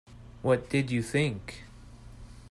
What did you think?